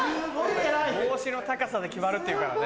帽子の高さで決まるっていうからね。